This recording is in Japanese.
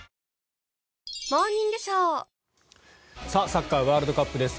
サッカーワールドカップです。